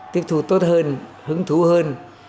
tiếp thụ tốt hơn hứng thú hơn